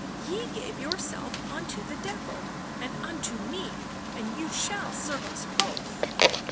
" Ye gave yourself unto the Devil and unto me — and you shall serve us both."